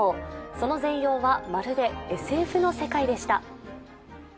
その全容はまるでＳＦの世界でした。